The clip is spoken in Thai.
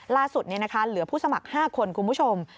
ล่าสุดนี้นะคะเหลือผู้สมัคร๕คนคุณผู้ชม